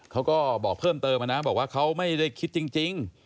เขาก็บอกเพิ่มเติมนะบอกว่าเขาไม่ได้คิดจริง